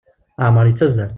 Leɛmer yettazzal.